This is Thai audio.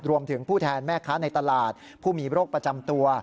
ผู้แทนแม่ค้าในตลาดผู้มีโรคประจำตัว